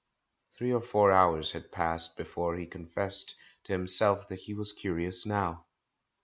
Three or four hours had passed before he con fessed to himself that he was curious now.